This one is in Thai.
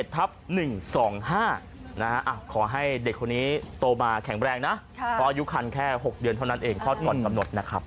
๑๑๑ทับ๑๒๕นะฮะขอให้เด็กคนนี้โตมาแข็งแรงนะเพราะอายุคันแค่๖เดือนเท่านั้นเองเพราะตอนกำหนดนะครับ